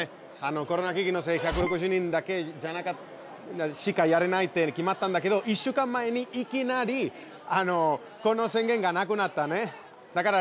コロナ危機のせい１６０人だけしかやれないって決まったんだけど１週間前にいきなりこの宣言がなくなったね。